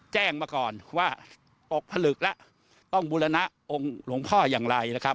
แจ้งมาก่อนว่าตกผลึกแล้วต้องบูรณะองค์หลวงพ่ออย่างไรนะครับ